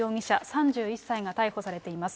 ３１歳が逮捕されています。